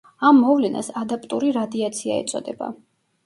ამ მოვლენას ადაპტური რადიაცია ეწოდება.